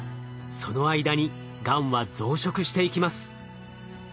その間にがんは増殖していきます。